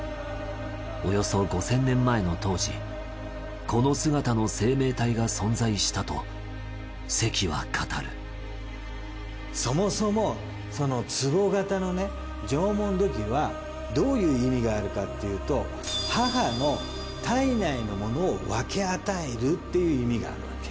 およそ５０００年前の当時この姿の生命体が存在したと関は語るそもそもその壺型のね縄文土器はどういう意味があるかっていうと母の胎内のものを分け与えるっていう意味があるわけ。